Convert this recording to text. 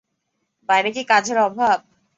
বাইরে কি কাজের অভাব।